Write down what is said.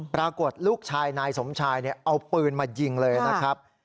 ปรากฏลูกชายนายสมชายเอาปืนมายิงเลยนะครับ